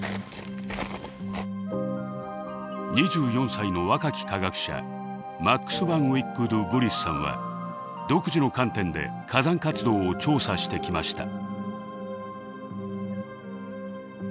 ２４歳の若き科学者マックス・ヴァン・ウィック・ドゥ・ヴリスさんは独自の観点で火山活動を調査してきました。